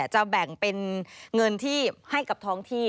จะแบ่งเป็นเงินที่ให้กับท้องที่